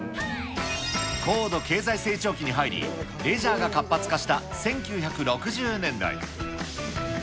高度成長期に入り、レジャーが活発化した１９６０年代。